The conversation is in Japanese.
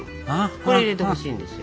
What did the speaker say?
これ入れてほしいんですよ。